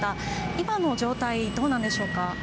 今の状態、どうなんでしょうか。